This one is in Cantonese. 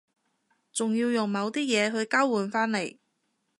總要用某啲嘢去交換返嚟